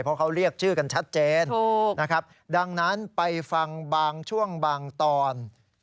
เพราะเขาเรียกชื่อกันชัดเจนนะครับดังนั้นไปฟังบางช่วงบางตอน